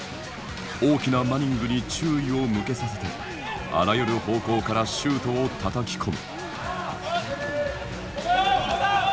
大きなマニングに注意を向けさせてあらゆる方向からシュートをたたき込む。